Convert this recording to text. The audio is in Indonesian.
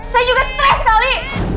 saya juga stres sekali